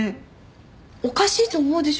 おかしいと思うでしょ